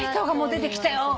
出てきた。